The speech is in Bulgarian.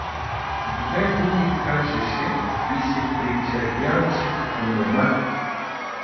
Две думи кажеше и се причервяваше като мома.